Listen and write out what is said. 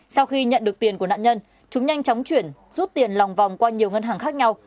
sau khi nhận được tiền của nạn nhân chúng nhanh chóng chuyển rút tiền lòng vòng qua nhiều ngân hàng khác nhau